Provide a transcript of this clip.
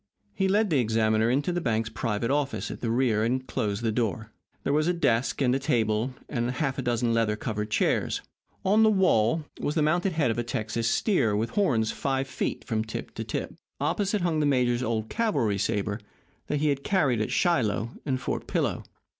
He led the examiner into the bank's private office at the rear, and closed the door. There was a desk, and a table, and half a dozen leather covered chairs. On the wall was the mounted head of a Texas steer with horns five feet from tip to tip. Opposite hung the major's old cavalry saber that he had carried at Shiloh and Fort Pillow.